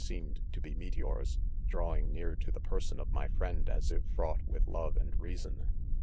seemed, to be meteors, drawing near to the person of my friend as if fraught with love and reason.